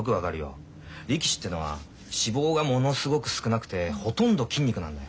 力士ってのは脂肪がものすごく少なくてほとんど筋肉なんだよ。